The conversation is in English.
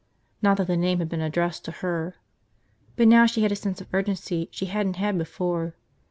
Not that the name had been addressed to her. But now she had a sense of urgency she hadn't had before.